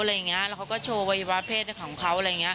แล้วเขาก็โชว์วัยวะเพศของเขาอะไรอย่างนี้